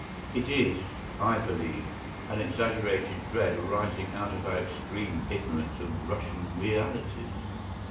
It is, I believe, an exaggerated dread arising out of our extreme ignorance of Russian realities.